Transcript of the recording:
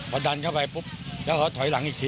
พอดันเข้าไปปุ๊บแล้วเขาถอยหลังอีกที